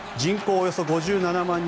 およそ５７万人